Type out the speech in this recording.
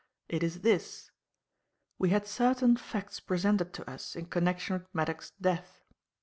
It is this: we had certain facts presented to us in connection with Maddock's death.